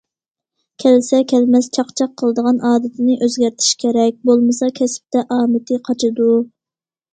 كەلسە- كەلمەس چاقچاق قىلىدىغان ئادىتىنى ئۆزگەرتىشى كېرەك، بولمىسا كەسىپتە ئامىتى قاچىدۇ.